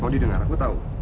maudie dengar aku tahu